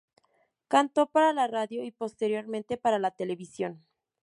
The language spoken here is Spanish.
Cantó para la radio y, posteriormente, para la televisión.